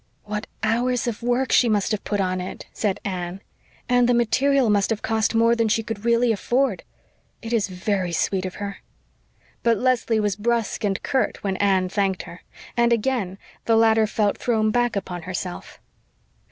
"What hours of work she must have put on it," said Anne. "And the material must have cost more than she could really afford. It is very sweet of her." But Leslie was brusque and curt when Anne thanked her, and again the latter felt thrown back upon herself.